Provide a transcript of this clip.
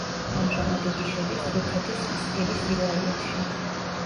ამჟამად იგი შედის თურქეთის ისპირის ვილაიეთში.